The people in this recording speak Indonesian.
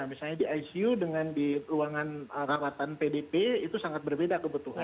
misalnya di icu dengan di ruangan rawatan pdp itu sangat berbeda kebutuhan